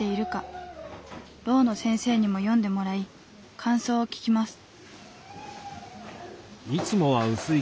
ろうの先生にも読んでもらい感想を聞きます。